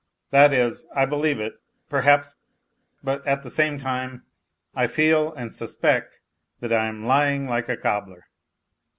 That is, I believe it, perhaps, but at the same time I feel and suspect that I am lying like a cobbler.